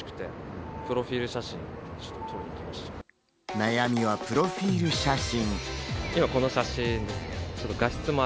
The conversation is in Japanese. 悩みはプロフィル写真。